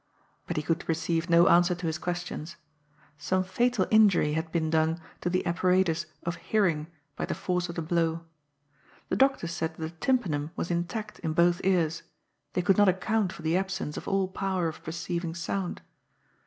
But he could receive no answer to his questions. Some fatal injury had been done to the apparatus of hearing by the force of the blow. The doctors said that the tympanum was intact in both ears; they could not account for the absence of all power of perceiving sound.